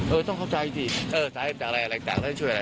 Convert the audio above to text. เออต้องเข้าใจค่ะเออใจจากอะไรอะไรจากงั้นช่วยอะไร